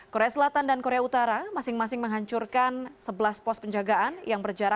korea selatan dan korea utara masing masing menghancurkan sebelas pos penjagaan yang berjarak